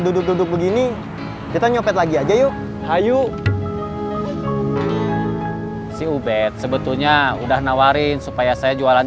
duduk duduk begini kita nyopet lagi aja yuk hayu si ubed sebetulnya udah nawarin supaya saya jualan